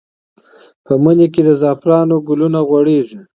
په مني کې د زعفرانو ګلونه غوړېږي.